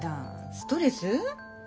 ストレス？